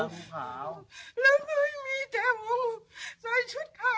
หมู่ขาวแค่นี้ทำได้ไหม